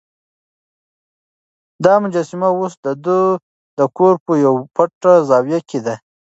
دا مجسمه اوس د ده د کور په یوه پټه زاویه کې ده.